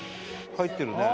入ってるね。